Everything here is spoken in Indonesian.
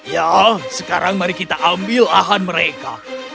ya sekarang mari kita ambil ahan mereka